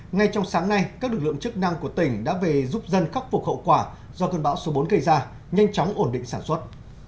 ngay trong sáng nay các lực lượng chức năng của tỉnh đã về giúp dân khắc phục hậu quả do cơn bão số bốn gây ra nhanh chóng ổn định sản xuất